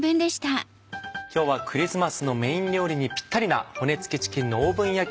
今日はクリスマスのメイン料理にぴったりな「骨つきチキンのオーブン焼き」